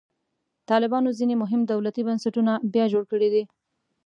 طالبانو ځینې مهم دولتي بنسټونه بیا جوړ کړي دي.